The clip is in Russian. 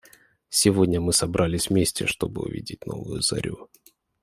Сегодня мы собрались вместе, чтобы увидеть новую зарю.